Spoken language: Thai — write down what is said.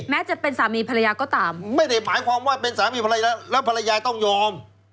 จะเป็นสามีภรรยาก็ตามไม่ได้หมายความว่าเป็นสามีภรรยาแล้วแล้วภรรยาต้องยอม